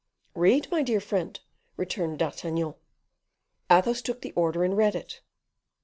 "Read, my dear friend," returned D'Artagnan. Athos took the order and read it.